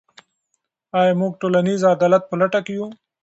آیا موږ د ټولنیز عدالت په لټه کې یو؟